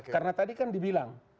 karena tadi kan dibilang